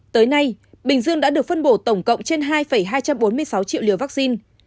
tới nay bình dương đã được phân bổ tổng cộng trên hai hai trăm bốn mươi sáu triệu liều vaccine